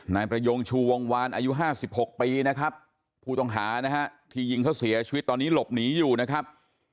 นายประยงชูวงวานอายุ๕๖ปีนะครับผู้ต้องหานะฮะที่ยิงเขาเสียชีวิตตอนนี้หลบหนีอยู่นะครับ